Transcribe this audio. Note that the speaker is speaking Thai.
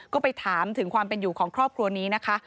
ก็ไปถามถึงความเป็นอยู่ของครอบครัวนี้นะคะ